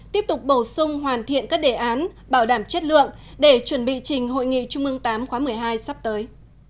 tiếp tục bổ sung hoàn thiện các đề án bảo đảm chất lượng để chuẩn bị chỉnh hội nghị trung mương tám khóa một mươi hai sắp tới